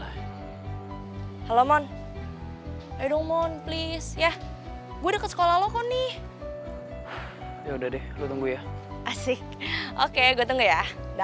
yaudah duluan ya